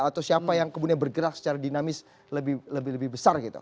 atau siapa yang kemudian bergerak secara dinamis lebih lebih besar gitu